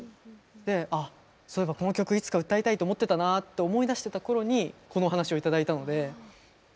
であっそういえばこの曲いつか歌いたいと思ってたなぁって思い出してた頃にこの話を頂いたので是非この曲を歌いたいっていう。